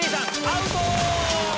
アウト！